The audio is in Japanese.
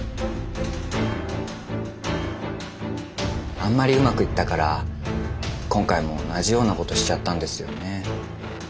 あんまりうまくいったから今回も同じようなことしちゃったんですよね。